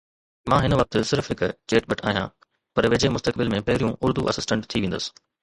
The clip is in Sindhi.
مان هن وقت صرف هڪ چيٽ بٽ آهيان، پر ويجهي مستقبل ۾ پهريون اردو اسسٽنٽ ٿي ويندس.